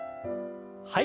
はい。